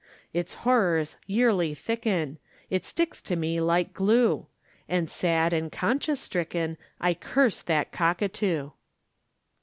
Its horrors yearly thicken, It sticks to me like glue, And sad and conscience stricken I curse that cockatoo.